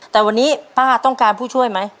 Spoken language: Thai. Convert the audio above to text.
แต่วันนี้ป้าต้องการผู้ช่วยไหม